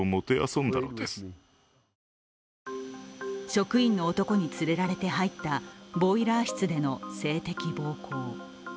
職員の男に連れられて入ったボイラー室での性的暴行。